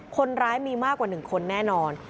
คนร้ายมีมากกว่า๑คนแน่นอน